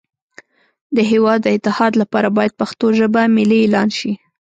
د هیواد د اتحاد لپاره باید پښتو ژبه ملی اعلان شی